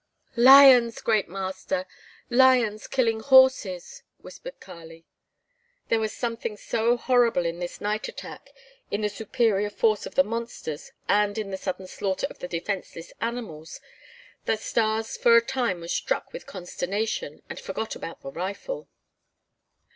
"Lions, great Master! Lions killing horses!" whispered Kali. There was something so horrible in this night attack, in the superior force of the monsters, and in the sudden slaughter of the defenseless animals that Stas for a time was struck with consternation, and forgot about the rifle.